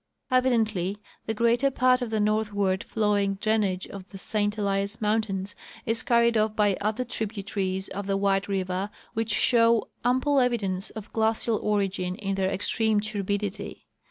Evidently the greater part of the northward flowing drainage of the St Elias mountains is carried off by other tributaries of the White river, which show ample evidence of glacial origin in their extreme turbidity.